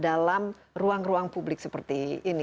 dalam ruang ruang publik seperti ini